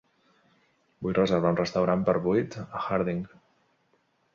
Vull reservar un restaurant per vuit a Harding.